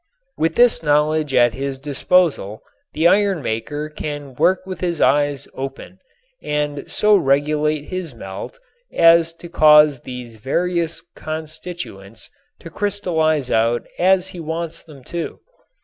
With this knowledge at his disposal the iron maker can work with his eyes open and so regulate his melt as to cause these various constituents to crystallize out as he wants them to.